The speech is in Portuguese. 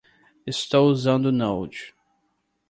Estou usando Node.